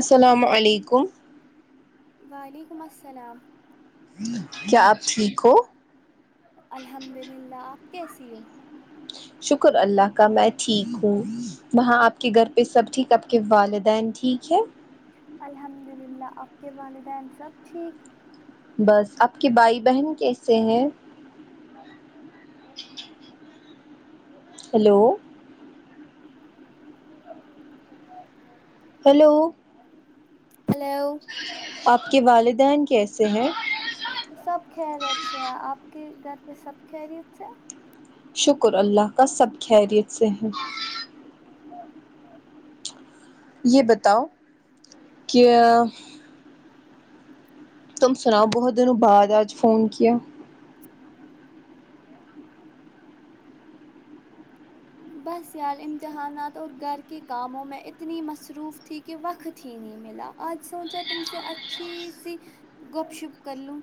السلام علیکم وعلیکم السلام کیا آپ ٹھیک ہو الحمد للہ آپ کیسی ہو شکر اللہ کا میں ٹھیک ہوں وہاں آپ کے گھر پہ سب ٹھیک آپ کے والدین ٹھیک ہے الحمد للہ آپ کے والدین سب ٹھیک بس آپ کے بھائی بہن کیسے ہیں ہیلو ہیلو ہلو آپ کے والدین کیسے ہیں سب خیریت سے ہے آپ کے گھر پہ سب خیریت سے شکر اللہ کا سب خیریت سے ہیں یہ بتاؤ کہ تم سناؤ بہت دنوں بعد آج فون کیا بس یار امتحانات اور گھر کے کاموں میں اتنی مصروف تھی کہ وقت ہی نہیں ملا آج سوچا تم سے اچھی سی گپ شپ کر لوں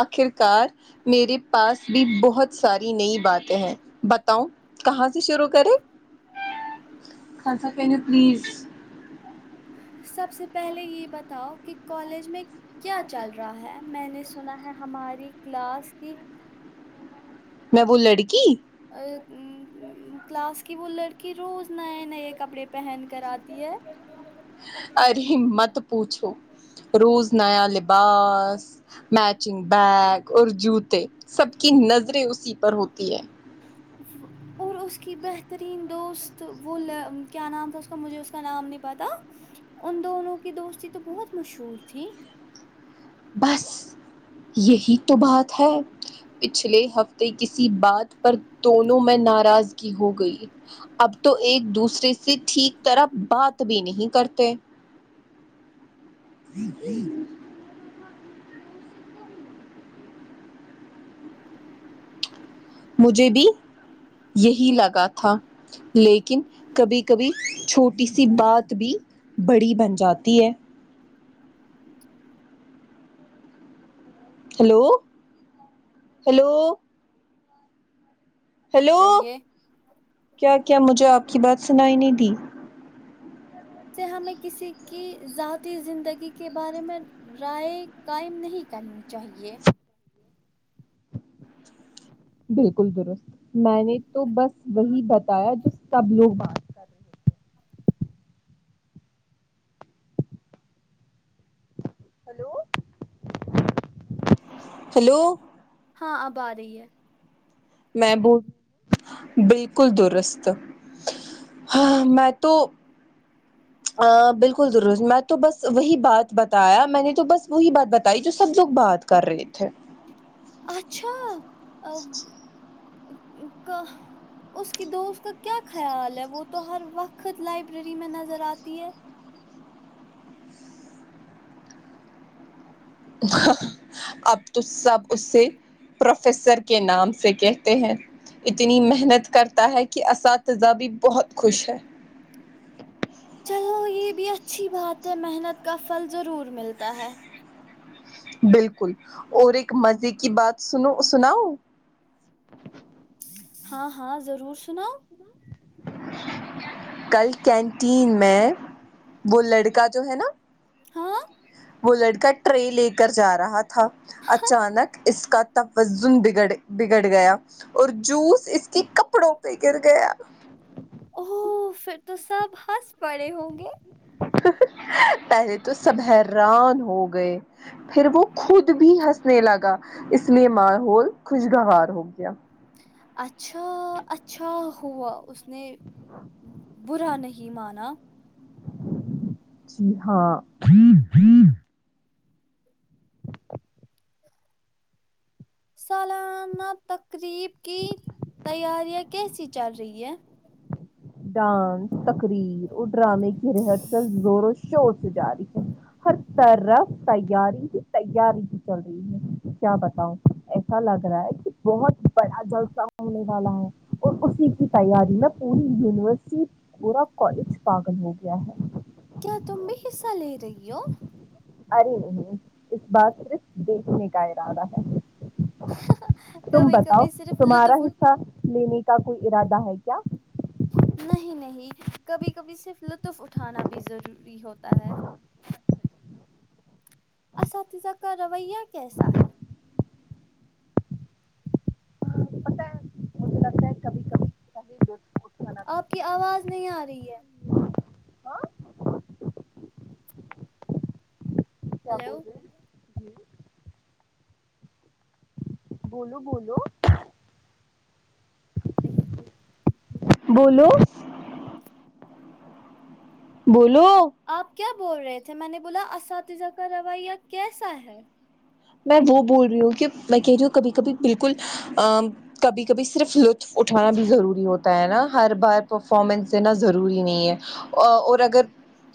آخر کار میرے پاس بھی بہت ساری نئی باتیں ہیں بتاؤ کہاں سے شروع کرے سب سے پہلے یہ بتاؤ کہ کالج میں کیا چل رہا ہے میں نے سنا ہے ہماری کلاس کی میں وہ لڑکی [unintelligible] ا ام ام کلاس کی وہ لڑکی روز نئے نئے کپڑے پہن کر آتی ہے ارے مت پوچھو روز نیا لباس میچنگ بیگ اور جوتے سب کی نظریں اسی پر ہوتی ہے وہ اور اس کی بہترین دوست وہ کیا نام تھا اس کا مجھے اس کا نام نہیں پتا ان دونوں کی دوستی تو بہت مشہور تھی بس یہی تو بات ہے پچھلے ہفتے کسی بات پر تولوں میں ناراض کی ہو گئی اب تو ایک دوسرے سے ٹھیک طرح بات بھی نہیں کرتے مجھے بھی یہی لگا تھا لیکن کبھی کبھی چھوٹی سی بات بھی بڑی بن جاتی ہے ہیلو ہیلو ہیلو چاہیے کیا کیا مجھے آپ کی بات سنائی نہیں دی اس سے ہمیں کسی کی ذاتی زندگی کے بارے میں رائے قائم نہیں کرنی چاہیے بالکل درست میں نے تو بس وہی بتایا جو سب لوگ ہیلو ہیلو ہاں اب آ رہی ہے میں بو بالکل درست ہاں میں تو ہاں بالکل درست میں تو بس وہی بات بتایا میں نے تو بس وہی بات بتائی جو سب لگ بات کر رہے تھے اچھا اب کہا اس کی دوست کا کیا خیال ہے وہ تو ہر وقت لائبلری میں نظر آتی ہے اب تو سب اس سے پروفیسر کے نام سے کہتے ہیں اتنی محنت کرتا ہے کہ اساتذہ بھی بہت خوش ہے چلو یہ بھی اچھی بات ہے محنت کا پھل ضرور ملتا ہے بالکل اور ایک مزے کی بات سنو سناؤ [inaudible] ہاں ہاں ضرور سناؤ کل کینٹین میں وہ لڑکا جو ہے نا ہاں وہ لڑکا ٹرے لے کر جا رہا تھا اچانک اس کا تفازن بگڑ بگڑ گیا اور جوس اس کے کپڑوں پہ گر گیا او پھر تو سب ہنس پڑے ہوں گے پہلے تو سب حیران ہو گئے پھر وہ خود بھی ہنسنے لگا اس لیے ماحول خوشگوار ہو گیا اچھا اچھا ہوا اس نے برا نہیں مانا جی ہاں سالانہ تقریب کی تیاریاں کیسی چل رہی ہے ڈانس تقریر اور ڈرامے کی ریہرسل زور و شور سے جاری ہے ہر طرف تیاری ہی تیاری ہی چل رہی ہے کیا بتاؤ ایسا لگ رہا ہے کہ بہت بڑا جلسا ہونے والا ہے اور اسی کی تیاری میں پوری یونیورسٹی پورا کالج پاگل ہو گیا ہے کیا تم بھی حصہ لے رہی ہو ارے نہیں اس بار صرف دیکھنے کا ارادہ ہے تم کبھی بتاؤ کبھی صرف تمہارا لطف اٹھ حصہ لینے کا کوئی ارادہ ہے کیا نہیں نہیں کبھی کبھی صرف لطف اٹھانا بھی ضروری ہوتا ہے [inaudible] اساتذہ کا رویہ کیسا ہے پت ہے مجھے لگتا ہے کبھی کبھی [unintelligible] آپ کی ضروری آواز ہوتا نہیں آ رہی ہے ہاں کیا ہلو بول رہے ہیں؟ جی بولو بولو [unintelligible] بولو بولو آپ کیا بول رہے تھے میں نے بولا اساتذہ کا رویہ کیسا ہے میں وہ بول رہی ہوں کہ میں کہہ رہی ہوں کبھی کبھی بالکل ا کبھی کبھی صرف لطف اٹھانا بھی ضروری ہوتا ہے نا ہر بار پرفارمنس دینا ضروری نہیں ہے اور اگر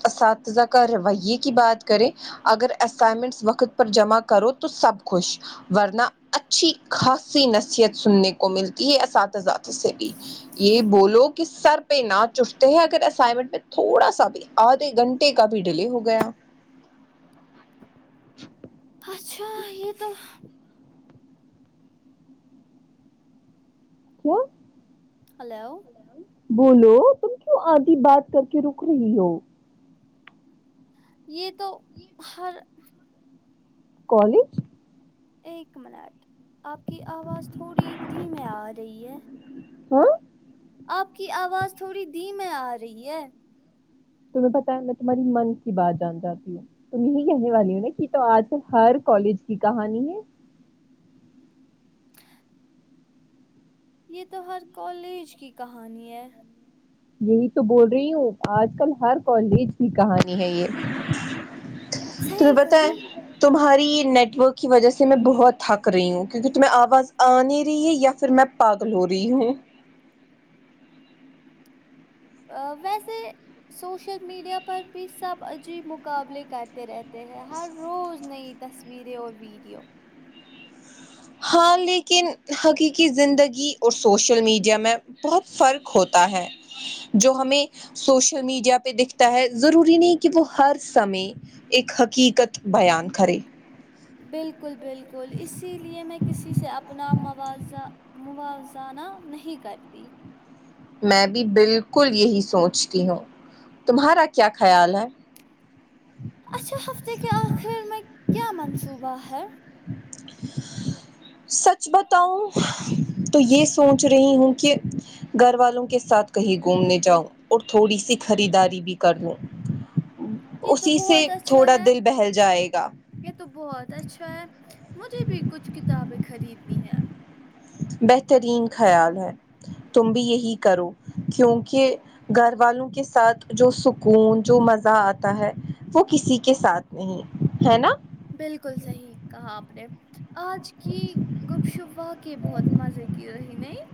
اساتذہ کا رویے کی بات کریں اگر اسائنمنٹس وقت پر جمع کرو تو سب خوش ورنہ اچھی خاصی نصیحت سننے کو ملتی ہے اساتذات سے بھی یہ بولو کہ سر پہ نہ چٹتے ہیں اگر اسائنمنٹ میں تھوڑا سا بھی آدھے گھنٹے کا بھی ڈیلے ہو گیا اچھا یہ تو کیا ہلو بولو تم کیوں آدھی بات کر کے رک رہی ہو یہ تو ہر کالج ایک منٹ آپ کی آواز تھوڑی دھیمے آ رہی ہے ہاں آپ کی آواز تھوڑی دھیم آ رہی ہے تمہیں پتا ہے میں تمہاری من کی بات جان جاتی ہوں تم یہی کہنے والی ہو نا کہ تو آج کل ہر کالج کی کہانی ہے یہ تو ہر کالج کی کہانی ہے یہی تو بول رہی ہوں آج کل ہر کالج کی کہانی ہے یہ تمہیں صحیح بتا ہیں کہا تمہاری نیٹ ورک کی وجہ سے میں بہت تھک رہی ہوں کیونکہ تمہیں آواز آ نہیں رہی ہے یا پھر میں پاگل ہو رہی ہیں ویسے سوشل میڈیا پر بھی سب عجیب مقابلے کرتے رہتے ہیں ہر روز نئی تصویریں اور ویڈیو ہاں لیکن حقیقی زندگی اور سوشل میڈیا میں بہت فرق ہوتا ہے جو ہمیں سوشل میڈیا پہ دکھتا ہے ضروری نہیں کہ وہ ہر سمے ایک حقیقت بیان کرے بالکل بالکل اسی لیے میں کسی سے اپنا مواضع مواوزانہ نہیں کرتی میں بھی بالکل یہی سوچتی ہوں تمہارا کیا خیال ہے اچھا ہفتہ کے آخر میں کیا منصوبہ ہے سچ بتاؤ تو یہ سوچ رہی ہوں کہ گھر والوں کے ساتھ کہیں گھومنے جاؤں اور تھوڑی سی خریداری بھی کر لوں یہ تو اسی سے بہت اچھا تھوڑا ہے دل بہل جائے گا یہ تو بہت اچھا ہے مجھے بھی کچھ کتابیں خریدنی ہے بہترین خیال ہے تم بھی یہی کرو کیونکہ گھر والوں کے ساتھ جو سکون جو مزہ آتا ہے وہ کسی کے ساتھ نہیں ہے نا بالکل صحیح کہا آپ نے آج کی گپ شپ وا کے بہت مزے کی رہی نہیں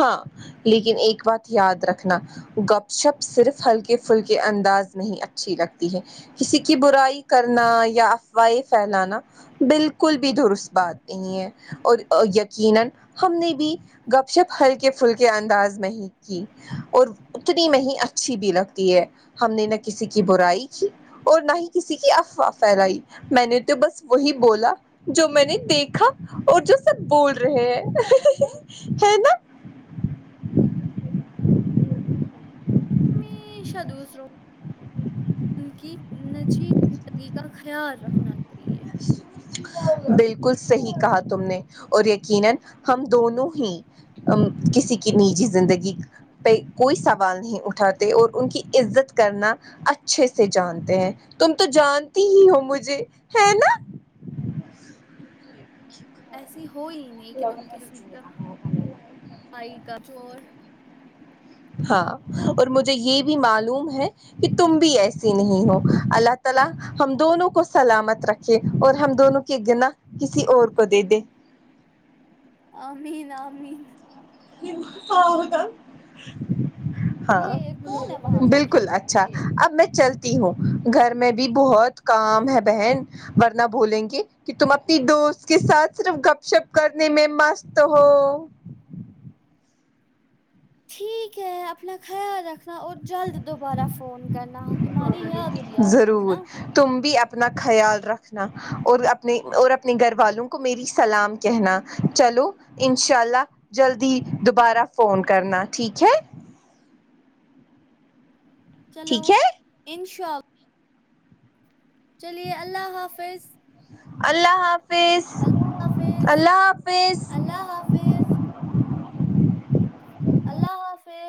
ہاں لیکن ایک بات یاد رکھنا گپ شپ صرف ہلکے پھلکے انداز نہیں اچھی لگتی ہے کسی کی برائی کرنا یا افواہیں پھیلانا بالکل بھی درست بات نہیں ہے اور یقی نن ہم نے بھی گپ شپ ہلکے پھلکے انداز میں ہی اور اتنی میں ہی اچھی بھی لگتی ہے ہم نے نہ کسی کی برائی کی اور نہ ہی کسی کی افواہ پھیلائی میں نے تو بس وہی بولا جو میں نے دیکھا اور جو سب بول رہے ہے نا ہمیشہ دوسروں ان کی نجی زندگی کا خیال رکھنا چاہیے بالکل صحیح کہا تم نے اور یقینا ہم دونوں ہی امم کسی کی نجی زندگی پہ کوئی سوال نہیں اٹھاتے اور ان کی عزت کرنا اچھے سے جانتے ہیں تم تو جانتی ہی ہو مجھے ہے نا ایسی ہو ہی نہیں کہ تم کسی کاائی کا چور ہاں اور مجھے یہ بھی معلوم ہے کہ تم بھی ایسی نہیں ہو اللہ تعالی ہم دونوں کو سلامت رکھے اور ہم دونوں کے گنا کسی اور کو دے دے امین امین [unintelligible] ہاں یہ کون ہے وہاں پہ بالکل اچھ اچھا اب میں چلتی ہوں گھر میں بھی بہت کام ہے بہن ورنہ بھولینگے گی کہ تم اپنی دوست کے ساتھ صرف گپ شپ کرنے میں مست ہو ٹھیک ہے اپنا خیال رکھنا اور جلد دوبارہ فون کرنا تمہاری یاد بھی آتی ہے ضرور نا تم بھی اپنا خیال رکھنا اور اپنے اور اپنے گھر والوں کو میری سلام کہنا چلو انشاء اللہ جلدی دوبارہ فون کرنا ٹھیک ہے چلو ٹھیک ہے ان شاء چلیے اللہ حافظ اللہ حافظ اللہ حافظ اللہ حافظ اللہ حافظ اللہ حافظ